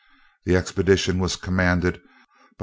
The expedition was commanded by M.